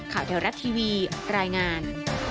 แถวรัฐทีวีรายงาน